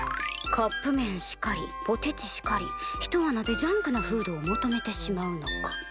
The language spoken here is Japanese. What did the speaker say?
カップめんしかりポテチしかり人はなぜジャンクなフードを求めてしまうのか。